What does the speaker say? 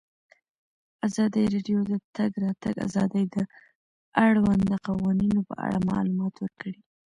ازادي راډیو د د تګ راتګ ازادي د اړونده قوانینو په اړه معلومات ورکړي.